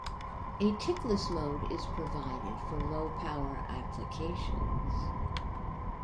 A tick-less mode is provided for low power applications.